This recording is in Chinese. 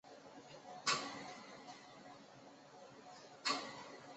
超级碗最有价值球员。